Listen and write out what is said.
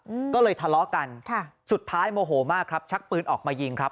อืมก็เลยทะเลาะกันค่ะสุดท้ายโมโหมากครับชักปืนออกมายิงครับ